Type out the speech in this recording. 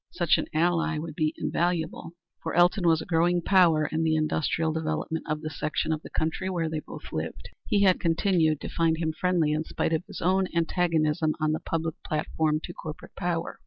Such an ally would be invaluable, for Elton was a growing power in the industrial development of the section of the country where they both lived. He had continued to find him friendly in spite of his own antagonism on the public platform to corporate power.